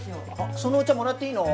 そのお茶もらっていいの？